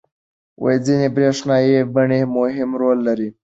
ځینې برېښنايي بڼې مهم رول لري.